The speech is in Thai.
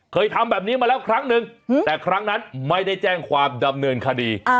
เคยทำแบบนี้มาแล้วครั้งนึงแต่ครั้งนั้นไม่ได้แจ้งความดำเนินคดี